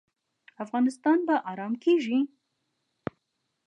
افغانستان به ارام کیږي؟